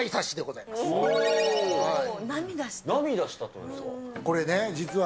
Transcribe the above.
涙したというのは？